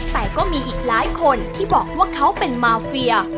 แต่ก็มีอีกหลายคนที่บอกว่าเขาเป็นมาเฟีย